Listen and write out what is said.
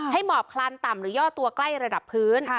หมอบคลานต่ำหรือย่อตัวใกล้ระดับพื้น